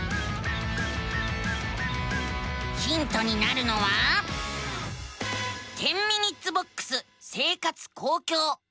ヒントになるのは「１０ｍｉｎ．ボックス生活・公共」。